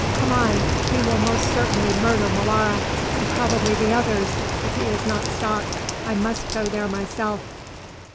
"Come on; he will most certainly murder Molara, and probably the others, if he is not stopped. I must go there myself."